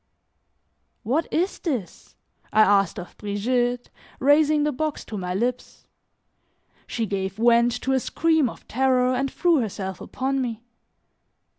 "What is this?" I asked of Brigitte, raising the box to my lips. She gave vent to a scream of terror and threw herself upon me.